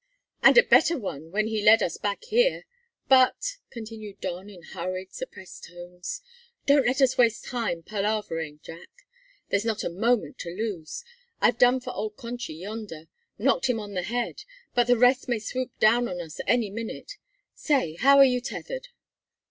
"And a better one when he led us back here. But," continued Don in hurried, suppressed tones, "don't let us waste time palavering, Jack. There's not a moment to lose. I've done for old conchy yonder knocked him on the head but the rest may swoop down on us any minute. Say, how are you tethered?"